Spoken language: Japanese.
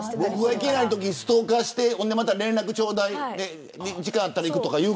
行けないときにストーカーして連絡、ちょうだい時間あったら行くとか。